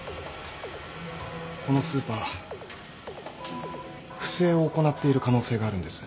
このスーパー不正を行っている可能性があるんです。